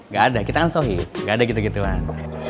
gak ada kita ansohi gak ada gitu gituan